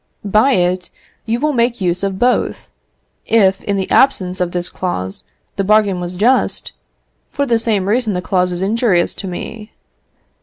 By it, you will make use of both. If, in the absence of this clause, the bargain was just, for the same reason the clause is injurious to me.